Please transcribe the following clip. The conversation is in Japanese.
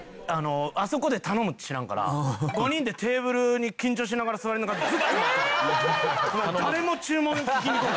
あそこで頼むって知らんから５人でテーブルに緊張しながら座りながら。